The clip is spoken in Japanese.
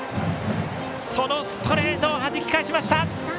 そのストレートはじき返しました。